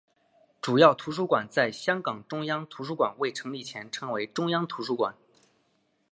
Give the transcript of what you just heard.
主要图书馆在香港中央图书馆未成立前称为中央图书馆。